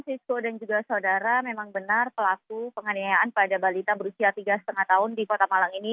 siswa dan juga saudara memang benar pelaku penganiayaan pada balita berusia tiga lima tahun di kota malang ini